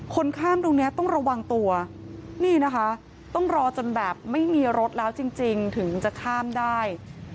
คนข้ามตรงนี้ต้องระวังตัวนี่นะคะต้องรอจนแบบไม่มีรถแล้วจริงถึงจะข้ามได้